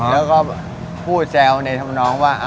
แล้วก็พูดแซวในธรรมนองว่า